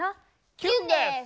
キュンです。